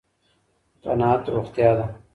قناعت روغتيا ده